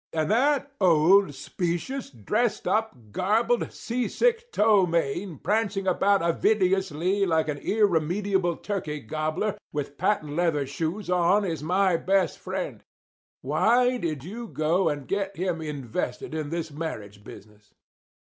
And that old, specious, dressed up, garbled, sea sick ptomaine prancing about avidiously like an irremediable turkey gobbler with patent leather shoes on is my best friend. Why did you go and get him invested in this marriage business?"